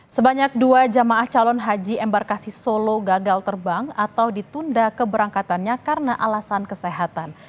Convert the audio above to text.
sebanyak dua jamaah calon haji embarkasi solo gagal terbang atau ditunda keberangkatannya karena alasan kesehatan